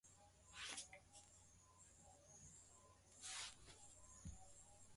wanawatembelea westham united ndani ya uwanja wao wa apton park